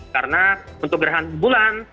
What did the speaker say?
karena untuk gerhana bulan